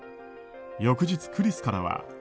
翌日、クリスからは。